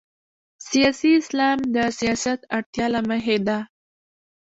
سیاسي اسلام د سیاست اړتیا له مخې ده.